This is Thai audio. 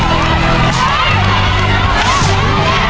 โอ้โหมือ